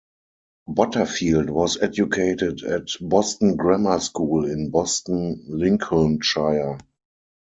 Butterfield was educated at Boston Grammar School in Boston, Lincolnshire.